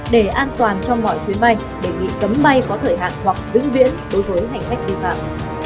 để an toàn cho mọi chuyến bay đề nghị cấm bay có thời hạn hoặc vĩnh viễn đối với hành khách vi phạm